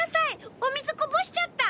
お水こぼしちゃった。